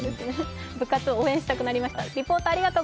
部活応援したくなりました。